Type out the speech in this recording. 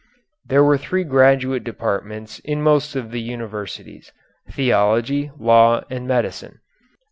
There were three graduate departments in most of the universities theology, law, and medicine.